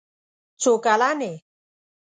څو کلن یې؟